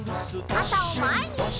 かたをまえに！